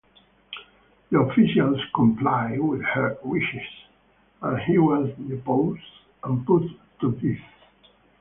The officials complied with her wishes, and he was deposed and put to death.